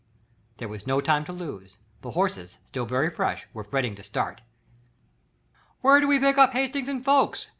There was no time to lose: the horses still very fresh were fretting to start. "Where do we pick up Hastings and Ffoulkes?"